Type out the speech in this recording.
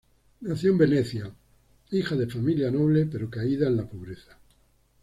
Nació en Venecia, hija de familia noble, pero caída en la pobreza.